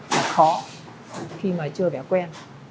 là khó khi mà chưa vẽ quen